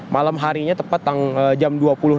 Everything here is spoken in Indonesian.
malam harinya tepat jam dua puluh enam